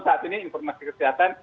saat ini informasi kesehatan